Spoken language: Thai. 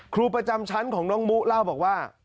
ครูประจำชั้นของน้องมุเล่าบอกว่า